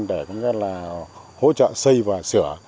để hỗ trợ xây và sửa